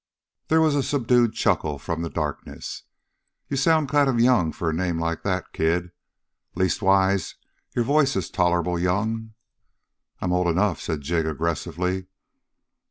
There was a subdued chuckle from the darkness. "You sound kind of young for a name like that, kid. Leastwise, your voice is tolerable young." "I'm old enough," said Jig aggressively.